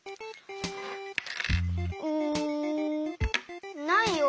うんないよ。